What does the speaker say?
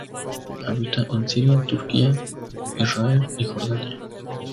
Habita en Siria, Turquía, Israel y Jordania.